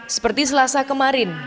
seperti selasa kemarin